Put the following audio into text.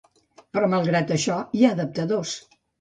Però malgrat això, hi ha adaptadors.